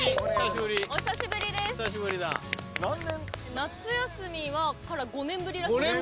『夏休み』から５年ぶりらしいです。